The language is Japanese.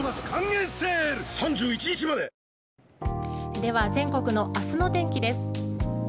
では、全国の明日の天気です。